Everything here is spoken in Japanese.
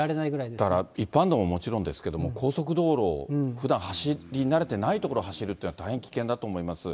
だから一般道ももちろんですけど、高速道路、ふだん走り慣れてない所を走るって大変危険だと思います。